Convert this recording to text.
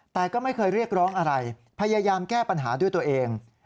แต่ก็ไม่เคยเรียกร้องอะไรพยายามแก้ปัญหาด้วยตัวเอง